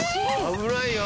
危ないよ！